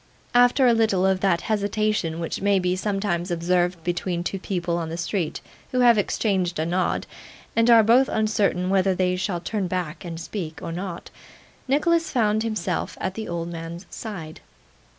After a little of that hesitation which may be sometimes observed between two people in the street who have exchanged a nod, and are both uncertain whether they shall turn back and speak, or not, Nicholas found himself at the old man's side.